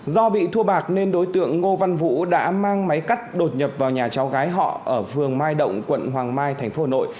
do bị thua bạc nên đối tượng ngô văn vũ đã mang máy cắt đột nhập vào nhà cháu gái họ ở vườn mai động quận hoàng mai thành phố hồ nội